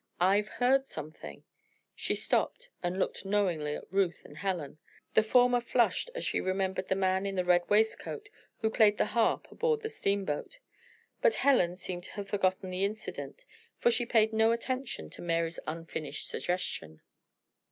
I've heard something " She stopped and looked knowingly at Ruth and Helen. The former flushed as she remembered the man in the red waistcoat who played the harp aboard the steamboat. But Helen seemed to have forgotten the incident, for she paid no attention to Mary's unfinished suggestion.